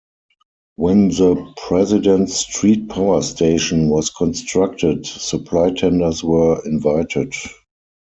When the President Street Power Station was constructed, supply tenders were invited.